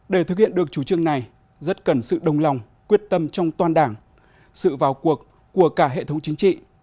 để thực hiện được chủ trương này rất cần sự đồng lòng quyết tâm trong toàn đảng sự vào cuộc của cả hệ thống chính trị